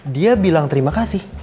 dia bilang terima kasih